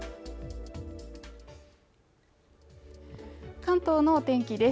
関東の天気です